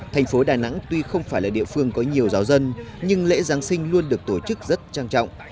thành phố đà nẵng tuy không phải là địa phương có nhiều giáo dân nhưng lễ giáng sinh luôn được tổ chức rất trang trọng